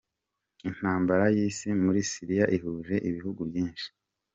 Intambara y’Isi muri Syria ihuje ibihugu byinshi.